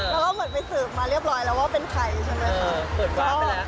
แล้วก็เหมือนไปสืบมาเรียบร้อยแล้วว่าเป็นใครใช่ไหม